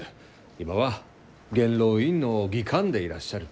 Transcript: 今は元老院の議官でいらっしゃる。